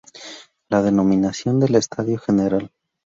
La denominación del Estadio; "Gral.